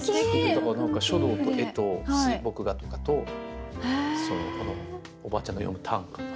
だから書道と絵と水墨画とかとおばあちゃんの詠む短歌。